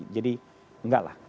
jadi enggak lah